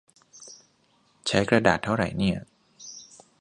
ใช้กระดาษเท่าไหร่เนี่ย -_